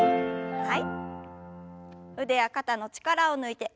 はい。